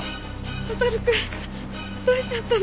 亘くんどうしちゃったの？